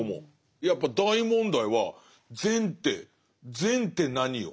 やっぱ大問題は善って善って何よ？